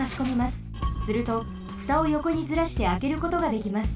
するとふたをよこにずらしてあけることができます。